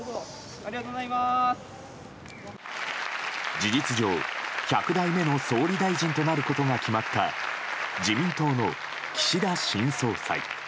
事実上、１００代目の総理大臣となることが決まった自民党の岸田新総裁。